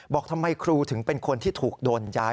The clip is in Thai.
บอกทำไมครูถึงเป็นคนที่ถูกโดนย้าย